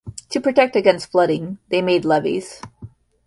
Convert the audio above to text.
To protect against flooding, they made levees.